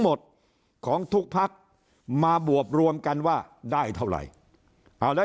หมดของทุกพักมาบวบรวมกันว่าได้เท่าไหร่เอาแล้ว